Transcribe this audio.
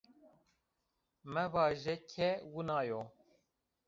Mevaje ke wina yo